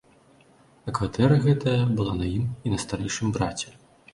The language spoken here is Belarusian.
А кватэра гэтая была на ім і на старэйшым браце.